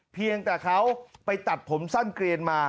เพียงแต่เขาไปตัดผมสั้นเกลียนมา